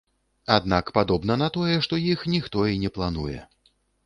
Аднак падобна на тое, што іх ніхто і не плануе.